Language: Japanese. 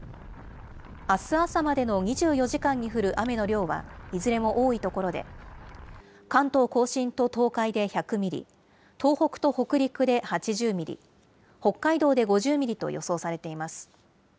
あす朝までの２４時間に降る雨の量は、いずれも多い所で、関東甲信と東海で１００ミリ、東北と北陸で８０ミリ、北海道で５０ミリと予想されています。